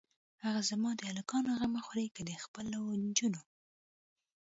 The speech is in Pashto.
هه زما د الکانو غمه خورې که د خپلو جونو.